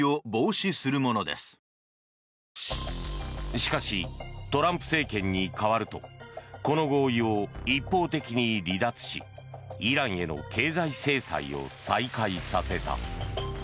しかしトランプ政権に代わるとこの合意を一方的に離脱しイランへの経済制裁を再開させた。